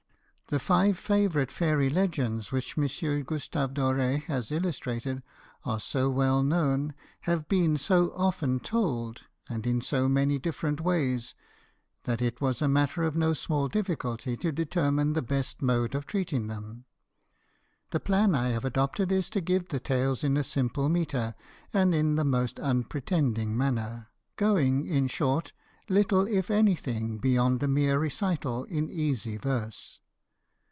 'T'HE five favourite fairy legends which M. GUSTAVE DORE has illustrated are so well known, have been so often told, and in so many different ways, that it was a matter of no small difficulty to determine the best mode of treating them. The plan I have adopted is to give the tales in a simple metre and in the most unpretending manner, going, in short, little if anything beyond mere recital in easy verse.